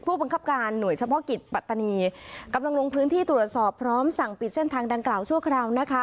ผู้บังคับการหน่วยเฉพาะกิจปัตตานีกำลังลงพื้นที่ตรวจสอบพร้อมสั่งปิดเส้นทางดังกล่าวชั่วคราวนะคะ